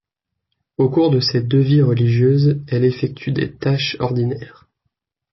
Au cours de ses de vie religieuse, elle effectue des tâches ordinaires.